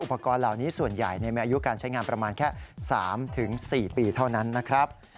เหล่านี้ส่วนใหญ่มีอายุการใช้งานประมาณแค่๓๔ปีเท่านั้นนะครับ